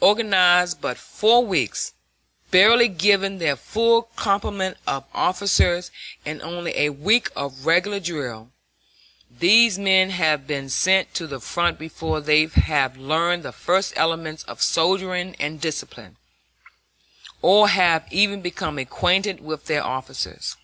Organized but four weeks, barely given their full complement of officers, and only a week of regular drill, these men have been sent to the front before they have learned the first elements of soldiering and discipline, or have even become acquainted with their officers.